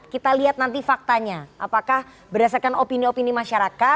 kita lihat nanti faktanya apakah berdasarkan opini opini masyarakat